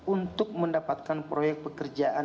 untuk mendapatkan proyek pekerjaan